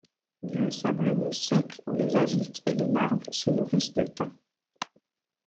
Lieux sablonneux secs où les adultes et les larves se nourrissent de thyms.